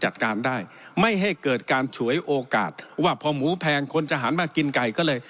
จัดการได้ไม่ให้เกิดการฉวยโอกาสว่าพอหมูแพงคนจะหันมากินไก่ก็เลย